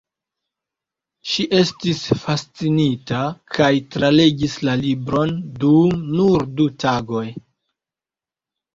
Ŝi estis fascinita kaj tralegis la libron dum nur du tagoj.